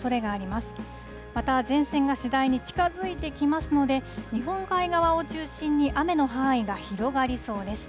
また、前線が次第に近づいてきますので、日本海側を中心に雨の範囲が広がりそうです。